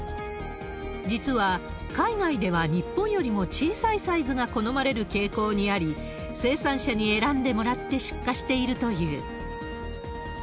実は、海外では日本よりも小さいサイズが好まれる傾向にあり、生産者に選んでもらって出荷しているという。